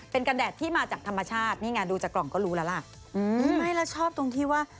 เป็นกระแดดที่มาจากธรรมชาตินี่ไงดูจากกล่องก็รู้แล้วล่ะอืมไม่แล้วชอบตรงที่ว่า